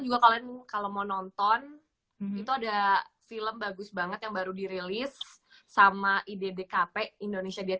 juga kalian kalau mau nonton itu ada film bagus banget yang baru dirilis sama iddkp indonesia diet